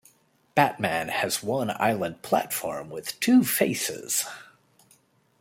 Batman has one island platform with two faces.